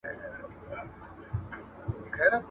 هغوی به په خپلو منفي افکارو باندي د بریا لپاره مثبت فکر کاوه.